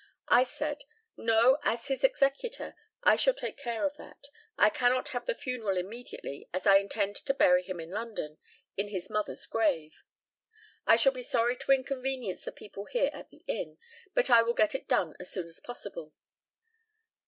I said, "No; as his executor, I shall take care of that. I cannot have the funeral immediately, as I intend to bury him in London, in his mother's grave. I shall be sorry to inconvenience the people here at the inn, but I will get it done as soon as possible."